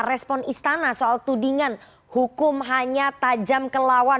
respon istana soal tudingan hukum hanya tajam ke lawan